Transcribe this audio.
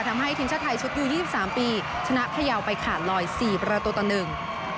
ทำให้ทีมชาไทยชุดอยู่๒๓ปีชนะพยาวไปขาด๑๐๔ประตูต่อหนึ่ง